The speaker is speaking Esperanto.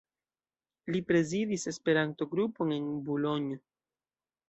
Li prezidis Esperanto-grupon en Boulogne.